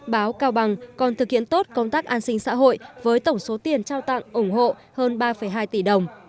báo cao bằng còn thực hiện tốt công tác an sinh xã hội với tổng số tiền trao tặng ủng hộ hơn ba hai tỷ đồng